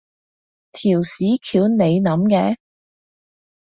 條屎橋你諗嘅？